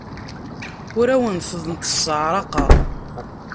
Ur awen-tent-sseɛraqeɣ.